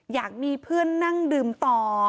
อยากมีเพื่อนนั่งดื่มต่อ